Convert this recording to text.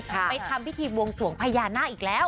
ไปทำพิธีบวงสวงพญานาคอีกแล้ว